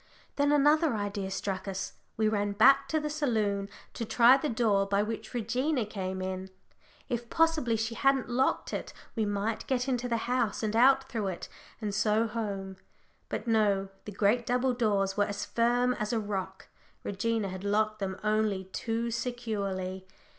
Then another idea struck us we ran back to the saloon to try the door by which Regina came in. If possibly she hadn't locked it, we might get into the house, and out through it, and so home. But no the great double doors were as firm as a rock. Regina had locked them only too securely!